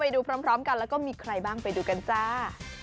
ดูพร้อมกันแล้วก็มีใครบ้างไปดูกันจ้า